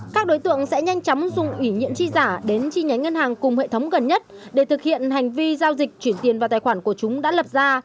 các đối tượng sẽ nhanh chóng dùng ủy nhiệm chi giả đến chi nhánh ngân hàng cùng hệ thống gần nhất để thực hiện hành vi giao dịch chuyển tiền vào tài khoản của chúng đã lập ra